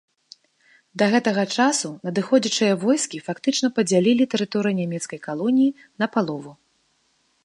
Да гэтага часу надыходзячыя войскі фактычна падзялілі тэрыторыю нямецкай калоніі напалову.